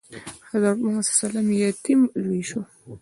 حضرت محمد ﷺ یتیم لوی شو.